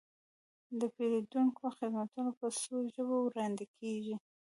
د پیرودونکو خدمتونه په څو ژبو وړاندې کیږي.